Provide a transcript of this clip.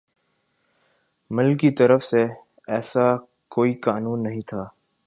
مل کی طرف سے ایسا کوئی قانون نہیں تھا